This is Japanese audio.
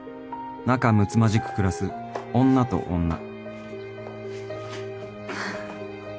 仲むつまじく暮らす女と女］